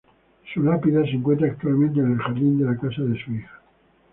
Su lápida se encuentra actualmente en el jardín de la casa de su hija.